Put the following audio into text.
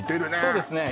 そうですね